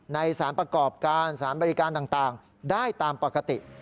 สารประกอบการสารบริการต่างได้ตามปกติ